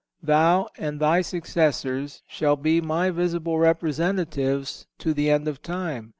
Thou and thy successors shall be My visible representatives to the end of time.